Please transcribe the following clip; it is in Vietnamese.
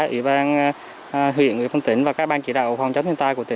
ủy ban huyện ủy ban tỉnh và các bang chỉ đạo phòng chống thiết kế